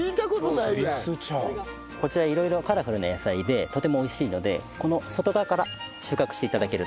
こちら色々カラフルな野菜でとても美味しいのでこの外側から収穫して頂けると。